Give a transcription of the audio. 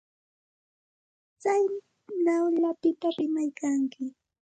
Tsaynawllapita rimaykanki.